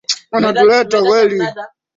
labda uongozi hao utajiri